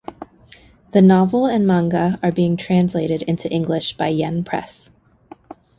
The novel and manga are being translated into English by Yen Press.